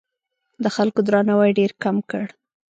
د خلکو درناوی ډېر کم کړ.